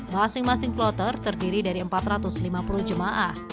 masing masing kloter terdiri dari empat ratus lima puluh jemaah